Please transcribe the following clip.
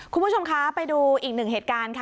คุณผู้ชมคะไปดูอีก๑เหตุการณ์